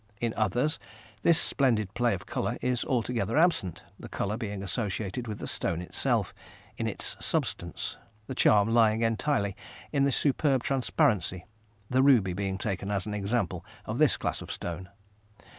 In others, this splendid play of colour is altogether absent, the colour being associated with the stone itself, in its substance, the charm lying entirely in the superb transparency, the ruby being taken as an example of this class of stone.